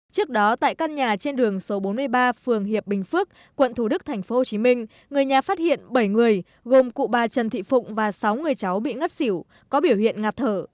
trước đó tại căn nhà trên đường số bốn mươi ba phường hiệp bình phước quận thủ đức tp hcm người nhà phát hiện bảy người gồm cụ bà trần thị phụng và sáu người cháu bị ngất xỉu có biểu hiện ngặt thở